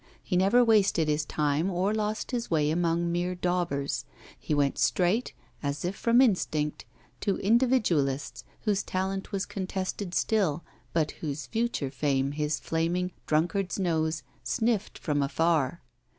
He never wasted his time or lost his way among mere daubers; he went straight, as if from instinct, to individualists, whose talent was contested still, but whose future fame his flaming, drunkard's nose sniffed from afar.